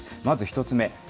まず１つ目。